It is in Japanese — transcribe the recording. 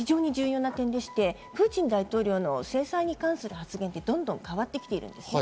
それ非常に重要な点で、プーチン大統領の制裁に関する発言がどんどん変わってきてるんですね。